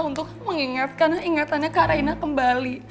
untuk mengingatkan ingatannya kak raina kembali